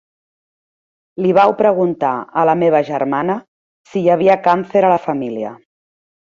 Li vau preguntar a la meva germana si hi havia càncer a la família.